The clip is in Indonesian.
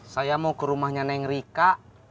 saya mau ke rumahnya neng rika